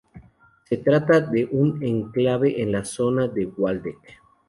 Se trata de un enclave en la zona del Waldeck.